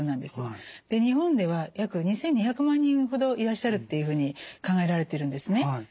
で日本では約２，２００万人ほどいらっしゃるっていうふうに考えられてるんですね。